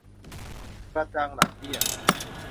กระจังหลังเบี้ย